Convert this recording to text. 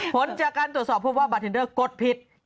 ผลจากการตรวจสอบพบว่าบาร์เทนเดอร์กดผิด